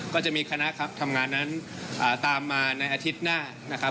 ก็จะมีคณะทำงานนั้นตามมาในอาทิตย์หน้านะครับ